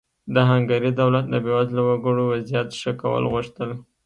د هنګري دولت د بېوزله وګړو وضعیت ښه کول غوښتل.